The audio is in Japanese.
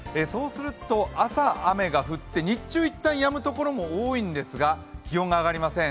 朝、雨が降って日中一旦やむところも多いんですが気温が上がりません。